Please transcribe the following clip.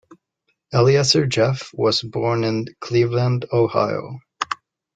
Eliezer Jaffe was born in Cleveland Ohio.